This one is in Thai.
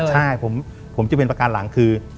ใช่ผมจะเป็นประการหลังคือ